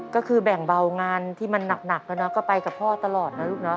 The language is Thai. ก็คือแบ่งเบางานที่มันหนักแล้วเนาะก็ไปกับพ่อตลอดนะลูกเนาะ